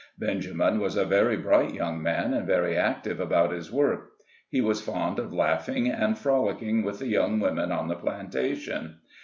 Benjamin was a very bright young man, and very active about his work. He was fond of laugh ing and frolicking with the young women on the plantation.